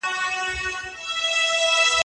دلته ورور ظالم خونرېز دئ.